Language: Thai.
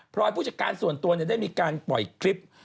รอยผู้จัดการส่วนตัวได้มีการปล่อยคลิป